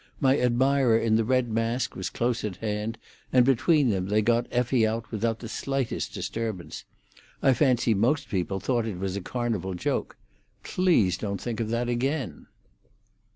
My admirer in the red mask was close at hand, and between them they got Effie out without the slightest disturbance. I fancy most people thought it was a Carnival joke. Please don't think of that again."